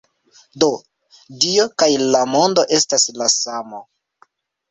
Do, Dio kaj la mondo estas la samo.